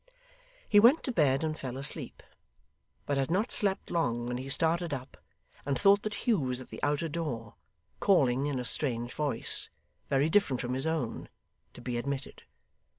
He went to bed and fell asleep, but had not slept long when he started up and thought that Hugh was at the outer door, calling in a strange voice, very different from his own, to be admitted.